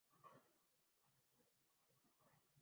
ان کے اظہارِ رائے پر پابندی عائدکرتی